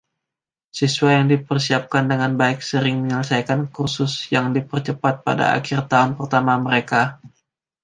Siswa yang dipersiapkan dengan baik sering menyelesaikan kursus yang Dipercepat pada akhir tahun pertama mereka.